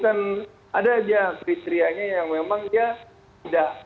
ada aja kriterianya yang memang dia tidak